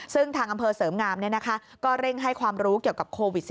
ซึ่งทางอำเภอเสริมงามก็เร่งให้ความรู้เกี่ยวกับโควิด๑๙